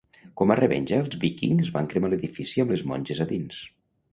Com a revenja, els vikings van cremar l'edifici amb les monges a dins.